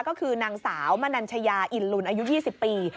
ก็คือนางสาวมนัญชยาอินลุนอายุ๒๐ปี